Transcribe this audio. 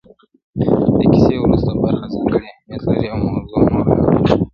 د کيسې وروستۍ برخه ځانګړی اهميت لري او موضوع نوره هم پراخيږي-